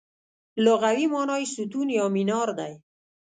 لغوي مانا یې ستون یا مینار دی.